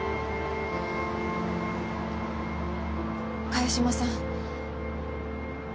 萱島さん